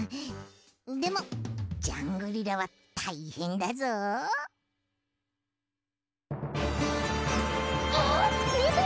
でもジャングリラはたいへんだぞ。あっみて！